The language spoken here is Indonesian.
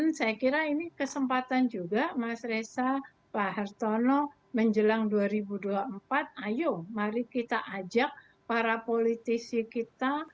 dan saya kira ini kesempatan juga mas reza pak hartono menjelang dua ribu dua puluh empat ayo mari kita ajak para politisi kita